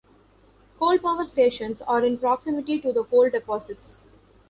Coal power stations are in proximity to the coal deposits.